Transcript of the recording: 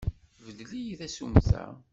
Beddel-iyi-d tasumta.